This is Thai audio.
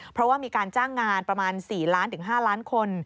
เพราะว่ามีการจ้างงานประมาณ๔๕ล้านคน